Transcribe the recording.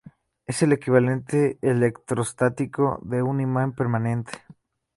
Es el equivalente electrostático de un imán permanente.